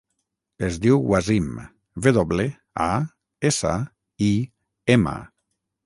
Es diu Wasim: ve doble, a, essa, i, ema.